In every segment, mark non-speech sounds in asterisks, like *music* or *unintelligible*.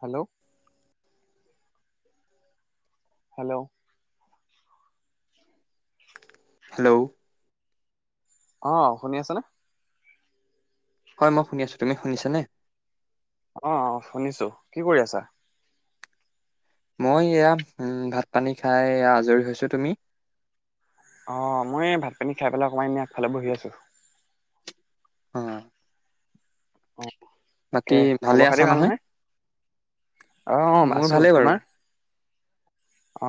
Hello. Hello. Hello. অ শুনি আছানে? হয় মই শুনি আছো। তুমি শুনিছানে? অ' অ' শুনিছো। কি কৰি আছা? মই এয়া উ ভাত পানী খাই আজৰি হৈছো। তুমি? অ মই ভাত পানী খাই পেলাই অকণমান আগফালে বহি আছো। হুম অ তাকে ভালে আছা খবৰ-খাতি ভাল নহয়? অঁ অ মোৰ আছো। ভালেই বাৰু তোমাৰ?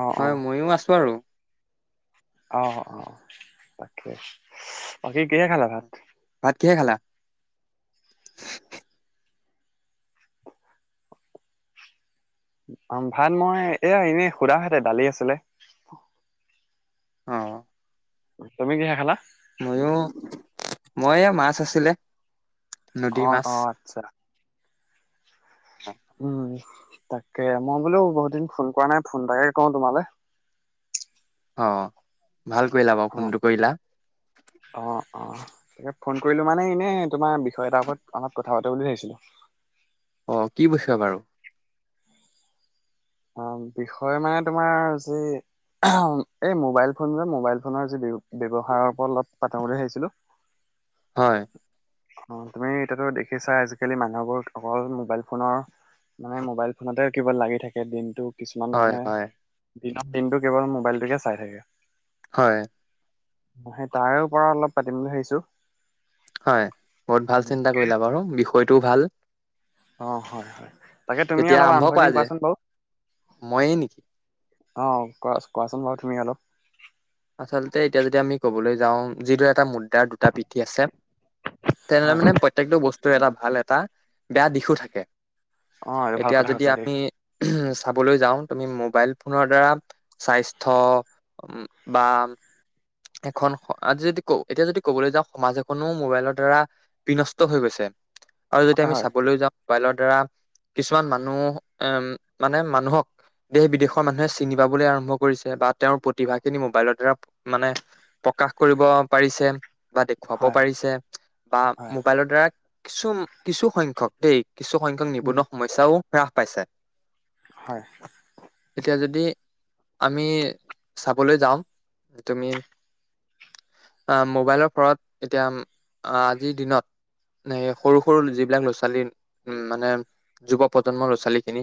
অ অ হয় ময়ো আছো আৰু। অ অ তাকে বাকী কিহে খালা ভাত? ভাত কিহেৰে খালা? আম, ভাত মই এয়া এনে শুদা ভাতে, দালি আছিলে। অ। তুমি কিহে খালা? ময়ো মই এইয়া মাছ আছিলে। নদীৰ অ' মাছ। অ' আচ্ছা। উম। তাকে মই বোলো বহুত দিন ফোন কৰা নাই ফোন এটাকে কওঁ তোমালে। অ ভাল কৰিলা বাৰু অ ফোনটো কৰিলা। অ অ' তাকে ফোন কৰিলো মানে, এনে তোমাৰ বিষয় এটাৰ ওপৰত অলপ কথা পাতো বুলি ভাবিছিলো। অ কি বুছা বাৰু। অ' বিষয় মানে তোমাৰ যি। এই মোবাইল ফোন যে মোবাইল ফোনৰ যি ব্যৱহাৰৰ ওপৰত অলপ পাতো বুলি ভাবিছিলোঁ। *inaudible* হয়। অ তুমি এতিয়াতো দেখিছা আজিকালি মানুহবোৰ অকল মোবাইল ফোনৰ মানে মোবাইল ফোনতে কিবা লাগি থাকে। দিনতো কিছুমান হয় মানুহে হয় দিনৰ দিনটো কেৱল মোবাইলটোকে চাই থাকে। হয়। সেই তাৰে পৰা অলপ পাতিম বুলি ভাবিছো। হয়। বহুত ভাল চিন্তা কৰিলা বাৰু বিষয়টোও ভাল অ' হয় হয়। তাকে তুমি তেতিয়া অলপ আৰম্ভ কৰা দিন যে কোৱাচোন বাৰু ময়ে নেকি অ' কোৱা কোৱাচোন বাৰু তুমি অলপ। আচলতে এতিয়া যদি আমি কবলৈ যাওঁ। যিদৰে এটা মুদ্ৰাৰ দুটা পিঠি আছে। তেনেদৰে হয়, মানে প্ৰত্যেকটো বস্তু এটা ভাল এটা বেয়া দিশো থাকে। অ', এইটো ভাল এতিয়া কথা যদি কৈছা দেই আমি উম চাবলৈ যাও তুমি মোবাইল ফোনৰ দ্বাৰা স্বাস্থ্য বা এখন আজি যদি ক এতিয়া যদি কবলৈ যাওঁ সমাজ এখনো মোবাইলৰ দ্বাৰা বিনষ্ট হৈ গৈছে। আৰু যদি হয়, আমি হয়, চাবলৈ যাওঁ। মোবাইলৰ দ্বাৰা কিছুমান মানুহ উম মানে মানুহক দেশ -বিদেশৰ মানুহে চিনি পাবলৈ আৰম্ভ কৰিছে বা তেওঁৰ প্ৰতিভাখিনি মোবাইলৰ দ্বাৰা মানে প্ৰকাশ কৰিব পাৰিছে। বা দেখুৱাব হয়, হয়, পাৰিছে বা হয় মোবাইলৰ দ্বাৰা কিছু কিছু সংখ্যক দেই। কিছুসংখ্যক উম, নিবনুৱা সমস্যাও হ্ৰাস পাইছে। হয়, এতিয়া যদি আমি চাবলৈ যাওঁ, তুমি মোবাইলৰ ফৰত এতিয়া আজিৰ দিনত। নে সৰু -সৰু যিবিলাক ল'ৰা -ছোৱালী উম মানে যুৱ প্ৰজন্মৰ ল'ৰা - ছোৱালীখিনি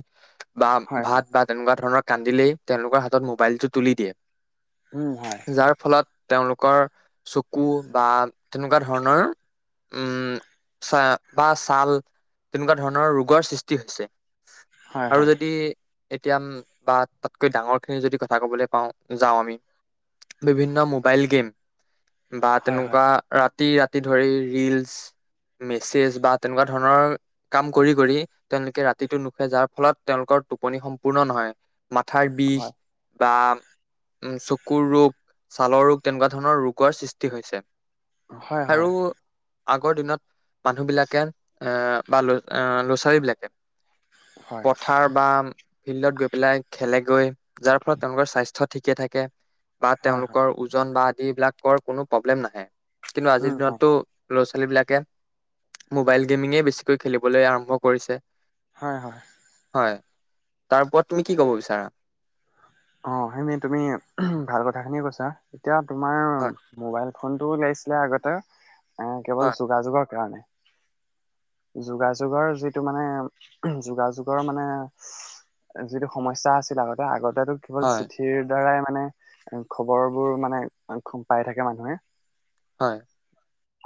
বা হয়, হয়, ভাত বা তেনেকোৱা ধৰণৰ কান্দিলেই তেওঁলোকৰ হাতত মোবাইলটো তুলি দিয়ে। উম হয়। যাৰ ফলত তেওঁলোকৰ চকু বা তেনেকোৱা ধৰণৰ উম চা বা ছাল তেনেকোৱা ধৰণৰ ৰোগৰ সৃষ্টি হৈছে। হয়, আৰু হয়। যদি এতিয়া বা তাতকৈ ডাঙৰখিনি যদি কথা কবলৈ পাওঁ যাওঁ আমি বিভিন্ন মোবাইল গেম বা হয় হয় তেনেকোৱা ৰা তি ৰাতি ধৰি ৰীলচ মেছেজ বা তেনেকোৱা ধৰণৰ কাম কৰি কৰি তেওঁলোকে ৰাতিটো নুশুৱে যাৰ ফলত তেওঁলোকৰ টোপনি সম্পূৰ্ণ নহয়। মাথাই বিষ হয় বা উম চ কুৰ ৰোগ ছালৰ ৰোগ তেনেকোৱা ধৰণৰ ৰোগৰ সৃষ্টি হৈছে। হয় আৰু হয়। আগৰ দিনত মানুহ বিলাকে আহ বা ল ল'ৰা ছালী বিলাকে। হয় পথাৰ বা ফিল্ডত গৈ পেলাই খেলে গৈ, যাৰ ফলত তেওঁলোকৰ স্বাস্থ্য ঠিকে থাকে। বা হয় হয় তেওঁলোকৰ ওজন বা আদিবিলাকৰ কোনো প্ৰব্লেম নাহে কিন্তু আজিৰ উম হয় দিনততো ল'ৰা-ছোৱালী বিলাকে মোবাইল গেমিঙে বেছিকৈ খেলিবলৈ আৰম্ভ কৰিছে। হয় হয়। হয় তাৰ ওপৰত। তুমি কি ক'ব বিচাৰা? অ সেইমি তুমি ভাল কথাখিনিয়ে কৈছা, এতিয়া তোমাৰ হয় ম'বাইল ফোনটো উলিয়াইছিলে আগতে কেৱল হয় যোগাযোগৰ কাৰণে যোগাযোগৰ যিটো মানে উম যোগাযোগৰ মানে যিটো সমস্যা আছিল আগতে আগতেতো কেৱল হয় চিঠিৰ দ্বাৰাই মানে খবৰবোৰ মানে পাই থাকে মানুহে। হয়।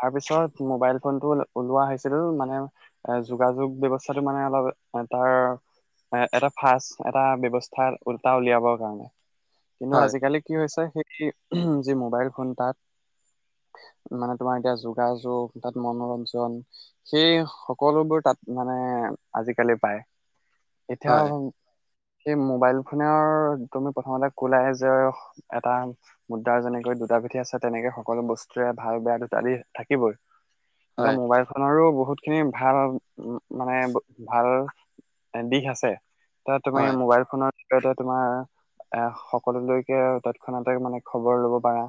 তাৰ পিছত মোবাইল ফোনটো ওলোৱা হৈছিল মানে এ যোগাযোগ ব্যৱস্থাটো মানে অলপ তাৰ মানে এটা ভাজ এটা ব্যৱস্থা এটা উলিয়াব। কিন্তু হয় আজিকালি কি হৈছে যি মোবাইল ফোন তাত *unintelligible* মানে তোমাৰ এতিয়া যোগাযোগ তাত মনোৰঞ্জন সেই সকলোবোৰ তাত *unintelligible* মানে আজিকালি পায় এতিয়া হয় সেই মোবাইল ফোনৰ তুমি প্ৰথমতে কোলাই যে এটা মুদ্ৰাৰ যেনেকৈ দুটা পিঠি আছে, তেনেকে সকলো বস্তু ভাল বেয়া দুটা দিশ থাকিবই এতিয়া হয় মোবাইল ফোনৰো ব *unintelligible* বহুতখিনি ভাল মানে ভাল দিশ আছে। এ তুমি হয় হয় মোবাইল ফোনৰ জৰীয়তে তোমাৰ এ সকলোলৈকে তৎক্ষণতে মানে খবৰ লব পাৰা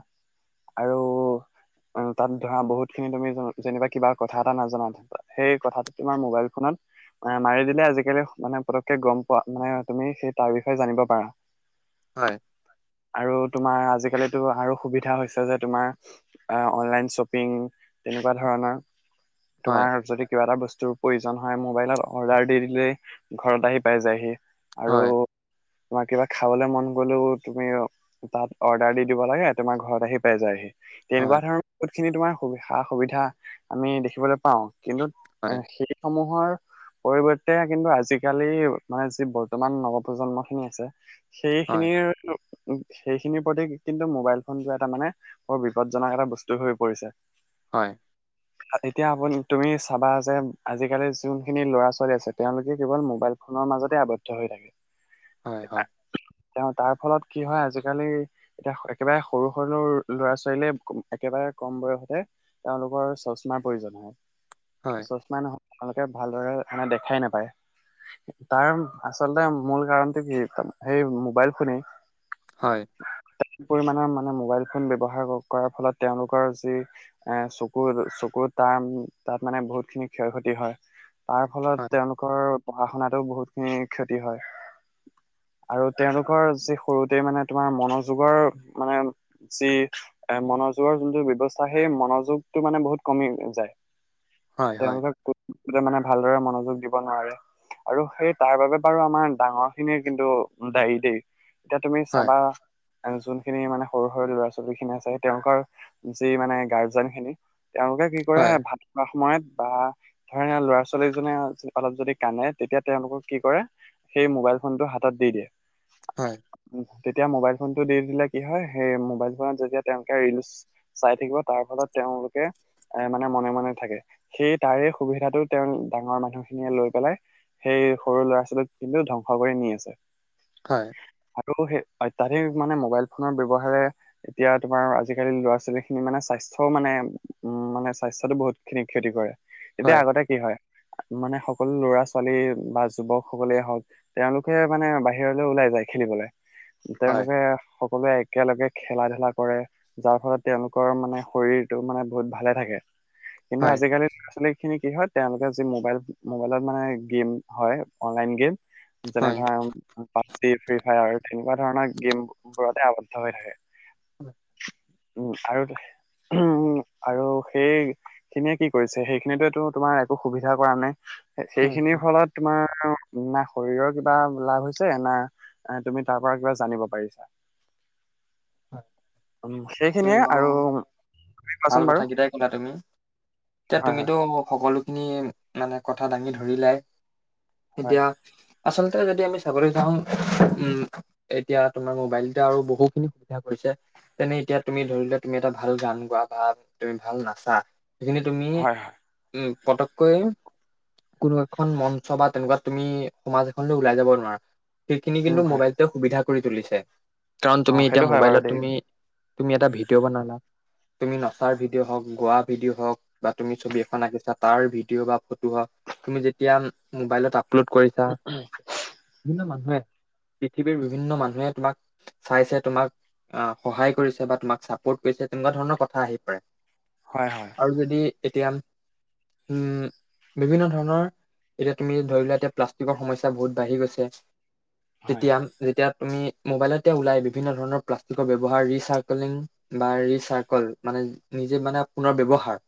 আৰু তাত ধৰা বহুতখিনি তুমি যেনিবা কিবা কথা এটা নাজানা, সেই কথাটো তোমাৰ মোবাইল ফোনত মাৰি দিলে আজিকালি মানে পতককে গম পোৱা মানে তুমি সেই তাৰ বিষয়ে জানিব পাৰা *unintelligible* হয়। আৰু তোমাৰ আজিকালিতো আৰু সুবিধা হৈছে যে তোমাৰ অনলাইন শ্বপিং *unintelligible* তেনেকুৱা ধৰণৰ তোমাৰ যদি কিবা এটা বস্তু প্ৰয়োজন হয় মোবাইলত অৰ্ডাৰ দি দিলেই ঘৰত আহি পাই যায়হি। আৰু হয় তোমাৰ কিবা খাবলৈ মন গলেও তুমি তাত অৰ্ডাৰ দি দিব লাগে তোমাৰ ঘৰত আহি পাই যায়হি *unintelligible* তেনেকুৱা হয় ধৰণৰ বহুত খিনি তোমাৰ সুবিধা সা সুবিধা আমি দেখিবলৈ পাওঁ *unintelligible* কিন্তু হয় এ সেইসমূহ হৰ পৰিৱৰ্তে কিন্তু আজিকালি মানে যি বৰ্তমান নৱপ্ৰজন্ম খিনি আছে সেইখিনিয়ে সেইখিনিৰ প্ৰতি কিন্তু মোবাইল ফোনটো এটা মানে বৰ বিপদজনক এটা বস্তু হৈ পৰিছে হয় এতিয়া আপুনি তুমি চাবা যে আজিকালি যোনখিনি ল'ৰা ছোৱালী আছে তেওঁলোকে কেৱল মোবাইল *unintelligible* খনৰ মাজতে আৱদ্ধ হৈ থাকে *unintelligible* হয় হয় তেওঁ তাৰ ফলত কি হয় আজিকালি এতিয়া একেবাৰে সৰু সৰু ল'ৰা- ছোৱালীয়ে একে ব কম বয়সতে তেওঁলোকৰ চশমাৰ প্ৰয়োজন হয় চশমা নহয় *unintelligible* তেওঁলোকে ভালদৰে মানে দেখাই নাপায় *unintelligible* তাৰ আচলতে মূল কাৰণটো কি সেই মোবাইল ফোনেই *unintelligible* হয় পৰিমাণৰ মানে মোবাইল ফোন ব্যৱহাৰ কৰাৰ ফলত তেওঁলোকৰ যি এ চকু *unintelligible* ক তাৰ তাত মানে বহুত খিনি ক্ষয় ক্ষতি হয় তাৰ ফলত তেওঁলোকৰ পঢ়া- শুনাতো বহুত খিনি ক্ষতি হয়। আৰু তেওঁলোকৰ যি সৰুতে মানে তোমাৰ মনোযোগৰ মানে যি এ মনোযোগৰ যোনটো ব্যৱস্থা সেই মনোযোগতটো মানে বহুত কমি যায় *unintelligible* তেওঁলোকে মানে ভালদৰে মনোযোগ দিব নোৱাৰে। আৰু সেই তাৰ বাবে বাৰু আমাৰ ডাঙৰ খিনিয়ে কিন্তু *unintelligible* দায়ী দেই, এতিয়া তুমি চাবা যোনখিনি মানে সৰু সৰু ল'ৰা ছোৱালী খিনি আছে তেওঁৰ যি মানে গাৰ্জেন খিনি *unintelligible* তেওঁলোকে কি কৰে ভাত খোৱা সময়ত বা ধৰা লৰা ছোৱালী জনে অলপ যদি কান্দে তেতিয়া তেওঁলোকক কি কৰে *unintelligible* সেই মোবাইল ফোন টো হাতত দি দিয়ে হয় উম, তেতিয়া মোবাইল ফোনটো দি দিলে কি হয়, সেই মোবাইল ফোনত যেতিয়া তেওঁলোকে ৰিলচ চাই থাকিব তাৰ ফলত তেওঁলোকে এ মানে মনে মনে থাকে সেই তাৰে সুবিধাটো তেওঁ ডাঙৰ মানুহখিনিয়ে লৈ পেলাই সেই সৰু ল'ৰা ছোৱালীক কিন্তু ধ্বংস কৰি নি আছে হয় আৰু সেই অত্যাধিক মানে মোবাইল ফোনৰ ব্যৱহাৰে, এতিয়া তোমাৰ আজিকালি ল'ৰা- ছোৱালী খিনি মানে স্বা স্বাস্থ্য মানে উম মানে স্বাস্থ্যতো বহুত খিনি ক্ষতি কৰে তেতিয়া আগতে কি হয় মানে সকলো ল'ৰা-ছোৱালী বা যুৱক সকলে হওক তেওঁলোকে মানে বাহিৰলৈ ওলাই যায় খেলিবলে, তেওঁলোকে- সকলোৱে একেলগে খেলা-ধূলা কৰে, যাৰ ফলত তেওঁলোকৰ মানে শৰীৰটো মানে বহুত ভালে থাকে। কিন্তু আজিকালি ল'ৰা-ছোৱালী সেইখিনি কি হয়, তেওঁলোকে যি মোবাইল মোবাইলত মানে গেম হয়, অনলাইন গেম। যেনে ধৰ- পি ফ্ৰী-ফায়াৰ তেনেকুৱা ধৰণৰ গেম বোৰতে আৱদ্ধ হৈ থাকে। হয় উম, আৰু উম আৰু সেইখিনিয়ে কি কৰিছে, সেইখিনিয়েটো তোমাৰ একো সুবিধা কৰা নাই। সেইখিনিৰ ফলত তোমাৰ বা শৰীৰৰ কিবা লাভ হৈছে চ এনে, তুমি তাৰ পৰা কিবা জানিব পাৰিছা। উম, সেইখিনিয়ে তুমি বাৰু আৰু ভাল কোৱাচোন বাৰু কথা কেইটাই ক'লা তুমি, এতিয়া হয় হয় তুমিতো সকলো খিনি মানে কথা দাঙি ধৰিলাই এতিয়া হয় আচলতে যদি আমি চাবলে যাওঁ, উম, এতিয়া তোমাৰ মোবাইলতে আৰু বহুখিনি সুবিধা কৰিছে। তেনে এতিয়া তুমি ধৰি লোৱা, তুমি এটা ভাল গান গোৱা। বা তুমি ভাল নাচা, সেইখিনি তুমি, হয় হয় উম, পতককৈ কোনো এখন মঞ্চ বা তেনেকোৱা তুমি সমাজ এখন লৈ ওলাই যাব নোৱাৰা। সেইখিনি কিন্তু উম হয় মোবাইলতোৱে সুবিধা কৰি তুলিছে, কাৰণ অ তুমি এতিয়া সেইটো হয় বাৰু মোবাইলত দেই তুমি তুমি এটা ভিডিঅ' বনালা, তুমি নচাৰ ভিডিঅ' হওক, গোৱা ভিডিঅ' হওক বা তুমি ছবি এখন আঁকিছা তাৰ ভিডিঅ' বা ফটো হওক তুমি যেতিয়া মোবাইলত আপলোড কৰিছা, মানুহ পৃথিৱীৰ বিভিন্ন মানুহে তোমাক চাইছে, তোমাক অ, সহায় কৰিছে বা তোমাক চাপৰ্ট কৰিছে তেনেকোৱা ধৰণৰ কথা কথা আহি পৰে হয় হয় আৰু যদি এতিয়া, উম বিভিন্ন ধৰণৰ, এতিয়া তুমি ধৰি লোৱা এতিয়া প্লাষ্টিকৰ সমস্যা বহুত বাঢ়ি গৈছে। হয় তেতিয়া, যেতিয়া তুমি, মোবাইলতে ওলাই বিভিন্ন ধৰণৰ প্লাষ্টিকৰ ব্যৱহাৰ ৰিচাইক্লিং বা ৰিচাৰ্কল। মানে, নিজে মানে পুনৰ ব্যৱহাৰ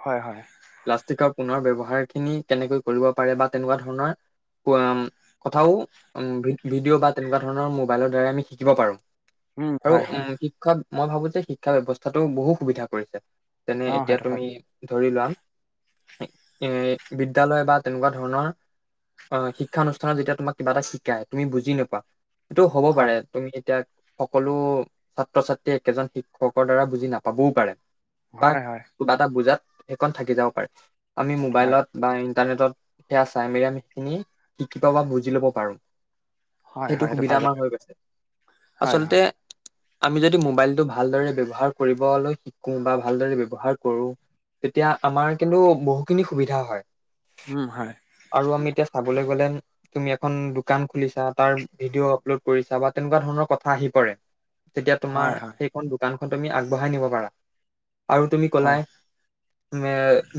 হয়-হয় প্লাষ্টিকৰ পুনৰ ব্যৱহাৰ খিনি কেনেকৈ কৰিব পাৰে বা তেনেকুৱা ধৰণৰ কোৱা, কথাও ভিডিঅ' বা তেনেকুৱা ধৰণৰ মোবাইলৰ দ্বাৰা আমি শিকিব পাৰো। উম আৰু হয় হয় উম, শিক্ষাত মই ভাবো যে শিক্ষা ব্যৱস্থাটো বহু সুবিধা কৰিছে। অ তেনে, এতিয়া সেইটো হয় তুমি ধৰি লোৱা এ বিদ্যালয় বা তেনেকোৱা ধৰণৰ অ, শিক্ষানুষ্ঠানত যেতিয়া তোমাক কিবা এটা শিকাই, তুমি বুজি নাপোৱা। এইটো হ'ব হয় পাৰে, তুমি এতিয়া সকলো ছাত্ৰ- ছাত্ৰীয়ে একেজন শিক্ষকৰ দ্বাৰা বুজি নাপাবও পাৰে বা হয় হয় কিবা এটা বুজাত সেইকণ থাকি যাব পাৰে। আমি হয় মোবাইলত বা ইণ্টাৰনেটত সেইয়া চাই-মেলি আমি সেইখিনি শিকি ল'ব বা বুজি ল'ব পাৰোঁ। হয় সেইটো হয় এইটো সুবিধা ভাল আমাৰ কথা হৈ গৈছে, হয় আচলতে হয় আমি যদি মোবাইলটো ভালদৰে ব্যৱহাৰ কৰিবলৈ শিকো বা ভালদৰে ব্যৱহাৰ কৰো তেতিয়া আমাৰ কিন্তু বহুখিনি সুবিধা হয়, উম হয় আৰু আমি এতিয়া চাবলে গ'লে তুমি এখন দোকান খুলিছা তাৰ ভিডিঅ' আপলোড কৰিছা বা তেনেকুৱা ধৰণৰ কথা আহিব পৰে, তেতিয়া তোমাৰ হয় হয় সেইখন দোকানখন তুমি আগবঢ়াই নিব পাৰা। আৰু তুমি হয় ক'লাই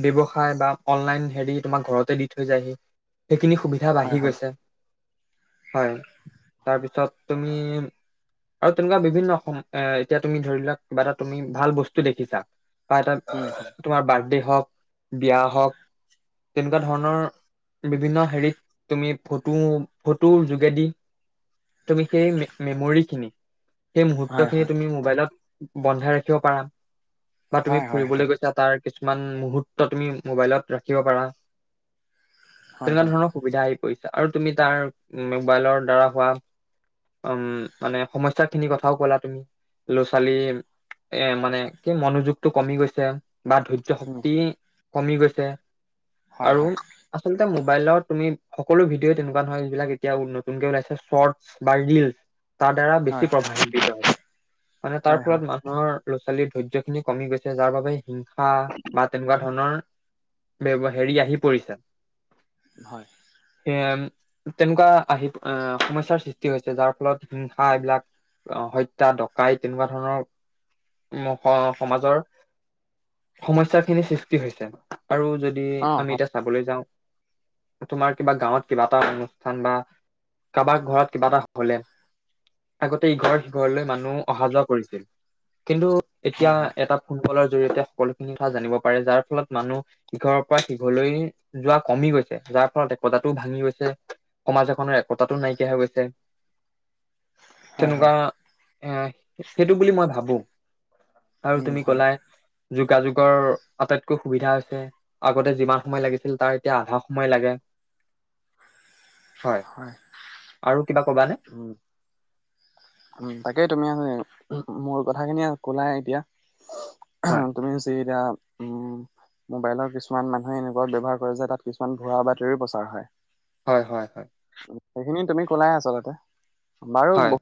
ব্যৱসায় বা অনলাইন হেৰি তোমাক ঘৰতে দি থৈ যায়হি, সেইখিনি সুবিধা বাঢ়ি হয় হয় গৈছে। হয় তাৰপিছত তুমি আৰু তেনেকুৱা বিভিন্ন সম এহ এতিয়া তুমি ধৰি লোৱা কিবা এটা তুমি ভাল বস্তু দেখিছা বা এটা উম তোমাৰ বাৰ্থডে হওক বিয়া হওক তেনেকুৱা ধৰণৰ বিভিন্ন হেৰিত তুমি ফটো ফটোৰ যোগেদি তুমি সেই মেমৰি খিনি সেই মুহূৰ্ত হয় খিনি হয় তুমি মোবাইলত বন্ধাই ৰাখিব পাৰা বা তুমি হয় হয় হয় সেইটো ফুৰিবলৈ গৈছা তাৰ কিছুমান মুহুৰ্ত তুমি মোবাইলত ৰাখিব পাৰা হয় তেনেকুৱা হয় ধৰণৰ সুবিধাই- আৰু তুমি তাৰ মোবাইলৰ দ্বাৰা হোৱা- উম মানে সমস্যা খিনি কথাও ক'লা তুমি- ছোৱালী এ মানে কি মনোযোগতটো কমি গৈছে বা ধৈৰ্য উম শক্তি- কমি গৈছে হয় আৰু হয় আচলতে- মোবাইলত তুমি সকলো ভিডিঅ' তেনেকুৱা নহয় যিবিলাক এতিয়া নতুনকে ওলাইছে শৰ্টছ বা ৰিলচ। তাৰ দ্বাৰা বেছি হয় প্ৰভাৱিত হৈছে। মানে তাৰ হয় হয় ফলত মানুহৰ- ছোৱালীৰ ধৈৰ্য খিনি কমি গৈছে যাৰ বাবে হিংসা বা তেনেকুৱা ধৰণৰ- হেৰি আহি পৰিছে। হয়। এ তেনেকুৱা আহি আহ সমস্যাৰ সৃষ্টি হৈছে, যাৰ ফলত হিংসা এইবিলাক আহ হত্যা ডকাইদ তেনেকুৱা ধৰণৰ উ সমাজৰ সমস্যা খিনিৰ সৃষ্টি হৈছে। আৰু যদি অ আমি হয় এতিয়া চাবলৈ যাওঁ তোমাৰ কিবা গাঁৱত কিবা এটা অনুষ্ঠান বা কাৰোবাক ঘৰত কিবা এটা হলে আগতে ইঘৰ সিঘৰলৈ মানুহ অহা যোৱা কৰিছিল কিন্তু এতিয়া হয় হয় এটা ফুটবলৰ জৰিয়তে সকলোখিনি কথা জানিব পাৰে যাৰ ফলত মানুহ ইঘৰৰ পৰা সিঘৰলৈ যোৱা কমি গৈছে। যাৰ ফলত একতাটো ভাঙি গৈছে সমাজ এখনৰ একতাটো নাইকিয়া হৈ গৈছে। হয় হয় তেনেকুৱা এ সেইটো বুলি মই ভাবোঁ। আৰু উম তুমি হয় কলাই যোগাযোগৰ আটাইতকৈ সুবিধাজনক হৈছে আগতে যিমান সময় লাগিছিল তাৰ এতিয়া আধা সময় লাগে। *inaudible* হয় আৰু কিবা কব? উম। উ তাকে তুমি *inaudible* মোৰ কথাখিনি কলা এতিয়া হয় *unintelligible* তুমি হৈছে এতিয়া উম, মোবাইলৰ কিছুমান মানুহে এনেকুৱা ব্যৱহাৰ কৰে যে তাত কিছুমান ভূৱা বাতৰিও প্ৰচাৰ হয়। হয় হয় হয়। সেইখিনি তুমি কলাই আচলতে বাৰু বহু হয়